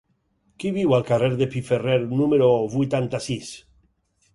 Qui viu al carrer de Piferrer número vuitanta-sis?